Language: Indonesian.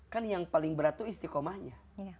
kan yang paling berat itu istiqomahnya